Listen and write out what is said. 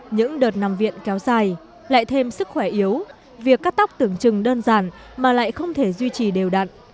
những đợt nằm viện kéo dài lại thêm sức khỏe yếu việc cắt tóc tưởng chừng đơn giản mà lại không thể duy trì đều đặn